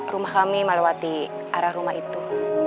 rumah kami melewati arah rumah itu